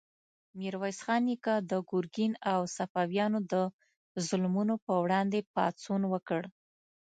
میرویس خان نیکه د ګرګین او صفویانو د ظلمونو په وړاندې پاڅون وکړ.